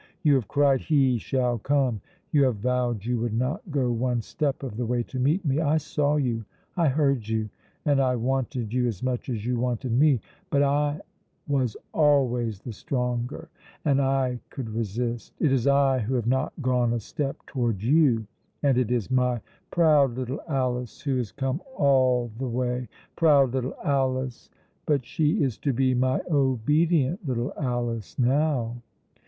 You have cried, 'He shall come!' You have vowed you would not go one step of the way to meet me. I saw you, I heard you, and I wanted you as much as you wanted me; but I was always the stronger, and I could resist. It is I who have not gone a step towards you, and it is my proud little Alice who has come all the way. Proud little Alice! but she is to be my obedient little Alice now."